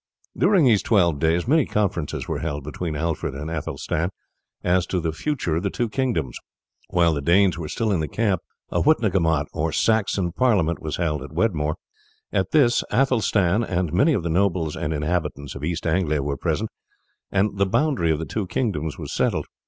During these twelve days many conferences were held between Alfred and Athelstan as to the future of the two kingdoms. While the Danes were still in the camp a witenagemot or Saxon parliament was held at Wedmore. At this Athelstan and many of the nobles and inhabitants of East Anglia were present, and the boundary of the two kingdoms was settled.